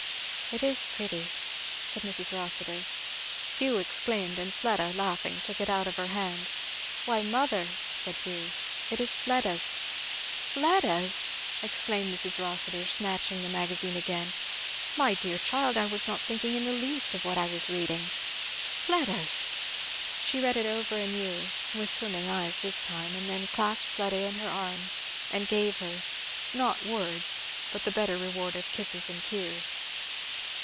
"It is pretty " said Mrs. Rossitur. Hugh exclaimed, and Fleda laughing took it out of her hand. "Why mother!" said Hugh, "it is Fleda's." "Fleda's!" exclaimed Mrs. Rossitur, snatching the Magazine again. "My dear child, I was not thinking in the least of what I was reading. Fleda's! " She read it over anew, with swimming eyes this time, and then clasped Fleda in her arms and gave her, not words, but the better reward of kisses and tears.